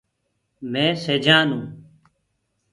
مي سيجآن هونٚ۔